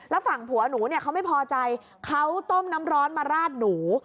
แล้วฝั่งผัวหนูเนี่ยเขาไม่พอใจเขาต้มน้ำร้อนมาราดหนู